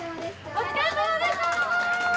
お疲れさまでした。